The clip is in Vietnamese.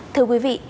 thưa quý vị